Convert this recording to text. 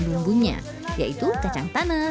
bumbunya yaitu kacang tanah